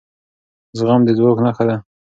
زغم د ځواک نښه ده